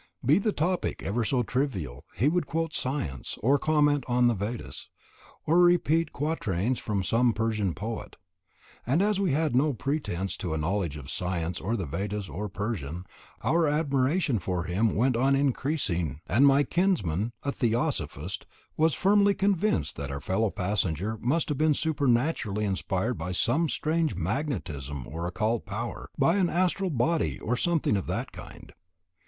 Be the topic ever so trivial, he would quote science, or comment on the Vedas, or repeat quatrains from some Persian poet; and as we had no pretence to a knowledge of science or the Vedas or Persian, our admiration for him went on increasing, and my kinsman, a theosophist, was firmly convinced that our fellow passenger must have been supernaturally inspired by some strange "magnetism" or "occult power," by an "astral body" or something of that kind.